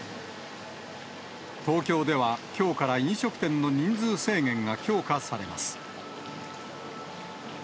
東京では、きょうから飲食店の人数制限が強化されます。